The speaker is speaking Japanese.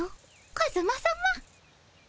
カズマさま。